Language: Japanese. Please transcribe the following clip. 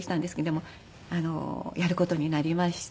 でもやる事になりまして。